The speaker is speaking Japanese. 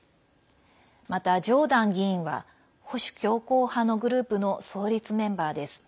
また、ジョーダン議員は保守強硬派のグループの創立メンバーです。